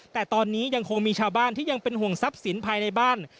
แต่ตอนนี้ยังคงมีชาวบ้านที่ยังเป็นห่วงทรัพย์สินภายในบ้าน